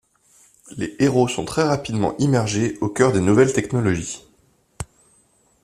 Les héros sont très rapidement immergés aux cœurs des nouvelles technologies.